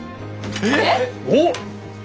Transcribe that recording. えっ！？おっ！